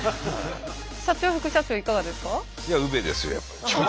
社長副社長いかがですか？